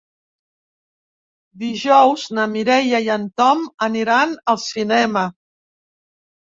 Dijous na Mireia i en Tom aniran al cinema.